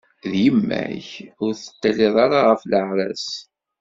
D yemma-k, ur teṭṭilliḍ ara ɣef leɛra-s.